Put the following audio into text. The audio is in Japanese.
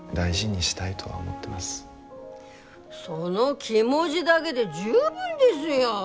その気持ぢだげで十分ですよ。